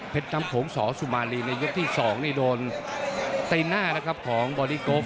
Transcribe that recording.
เพชรน้ำโขงสอสุมารีในยกที่๒โดนตีนหน้าของบอดี้โกฟ